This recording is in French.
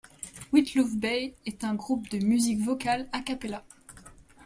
Witloof Bay est un groupe de musique vocale a cappella.